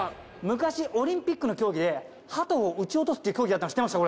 昔オリンピックの競技でハトを撃ち落とすっていう競技あったの知ってました？